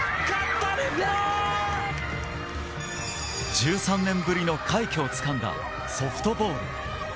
１３年ぶりの快挙をつかんだソフトボール。